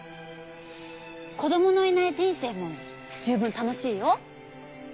子どものいない人生も十分楽しいよ。